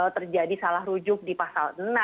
terjadi salah rujuk di pasal enam